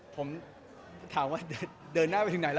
ผมถามว่าเดินหน้าไปถึงไหนล่ะ